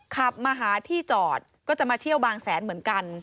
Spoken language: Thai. ขับมาหาที่จอดก็จะมาเที่ยวบางแสนเหมือนกัน